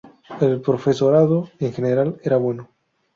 El profesorado, en general, era bueno.